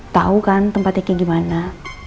tahu kan tempatnya kayak gimana